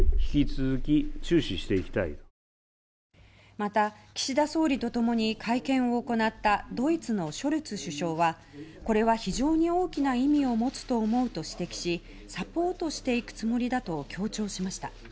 また、岸田総理と共に会見を行ったドイツのショルツ首相はこれは非常に大きな意味を持つと思うと指摘しサポートしていくつもりだと強調しました。